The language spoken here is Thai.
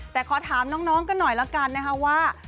แต่ขอถามน้องกันหน่อยละกันนะคะว่า